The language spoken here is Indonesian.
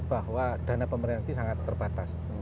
bahwa dana pemerintah sangat terbatas